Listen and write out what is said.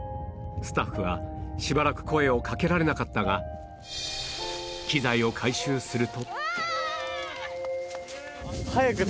スタッフはしばらく声を掛けられなかったが機材を回収すると